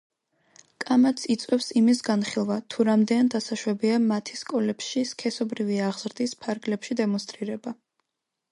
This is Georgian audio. კამათს იწვევს იმის განხილვა, თუ რამდენად დასაშვებია მათი სკოლებში, სქესობრივი აღზრდის ფარგლებში დემონსტრირება.